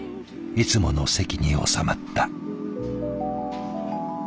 いつもの席におさまった。